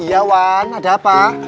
iya wan ada apa